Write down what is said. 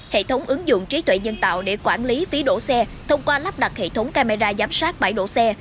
hệ thống ứng dụng trí tuệ nhân tạo để quản lý phí đổ xe thông qua lắp đặt hệ thống camera giám sát bãi đổ xe